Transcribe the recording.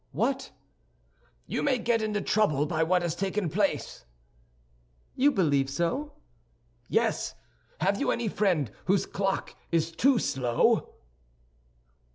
"What?" "You may get into trouble by what has taken place." "You believe so?" "Yes. Have you any friend whose clock is too slow?"